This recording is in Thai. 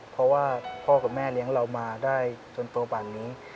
เพราะว่าพ่อกับแม่เลี้ยงเรามาได้จนโตบันนี้